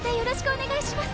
お願いします。